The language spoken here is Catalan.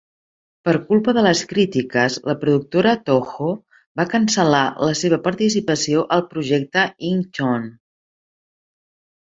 Per culpa de les crítiques, la productora Toho va cancel·lar la seva participació al projecte "Inchon".